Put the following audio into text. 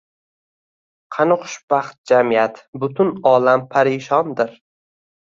Qani xushbaxt jamiyat? Butun olam parishondir